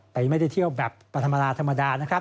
แต่ไม่ได้เที่ยวแบบธรรมดาธรรมดานะครับ